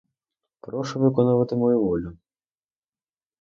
Прошу виконувати мою волю!